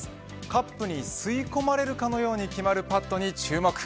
カップに吸い込まれるかのように決まるパットに注目。